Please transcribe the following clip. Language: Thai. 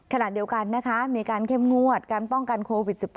ขณะเดียวกันนะคะมีการเข้มงวดการป้องกันโควิด๑๙